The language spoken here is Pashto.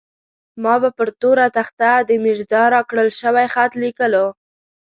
ما به پر توره تخته د ميرزا راکړل شوی خط ليکلو.